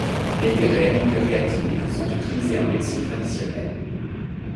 Les graines, purgatives, sont utilisées en médecine traditionnelle.